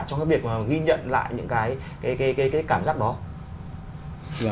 trong cái việc ghi nhận lại những cái cảm giác đó